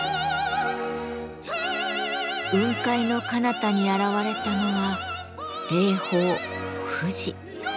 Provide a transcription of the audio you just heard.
雲海のかなたに現れたのは霊峰富士。